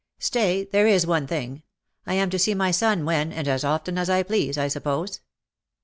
Stay, there is one thing : I am to see my son when, and as often as I please, I suppose.